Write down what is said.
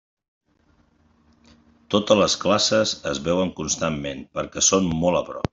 Totes les classes es veuen constantment, perquè són molt a prop.